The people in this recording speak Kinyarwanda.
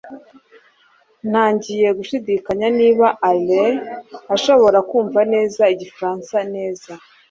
ntangiye gushidikanya niba alain ashobora kumva neza igifaransa neza